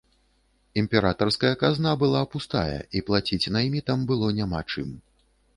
Імператарская казна была пустая, і плаціць наймітам было няма чым.